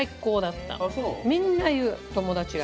みんな言う友達が。